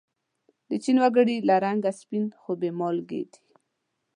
د چین و گړي له رنگه سپین خو بې مالگې دي.